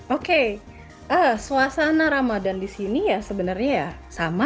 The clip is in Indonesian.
oke suasana ramadan di sini ya sebenarnya ya sama